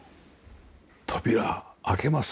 扉開けます。